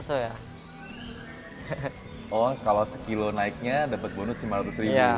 oh kalau sekilo naiknya dapat bonus lima ratus ribu